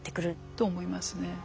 と思いますね。